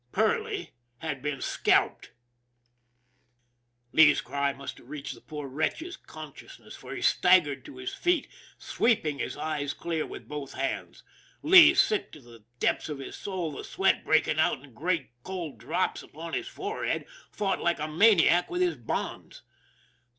Perley had been scalped ! Lee's cry must have reached the poor wretch's con sciousness, for he staggered to his feet, sweeping his eyes clear with both hands. Lee, sick to the depths of his soul, the sweat breaking out in great, cold drops upon his forehead, fought like a maniac with his bonds.